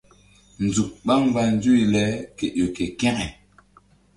Nzuk ɓá mgba nzuyble ke ƴo ke kȩke.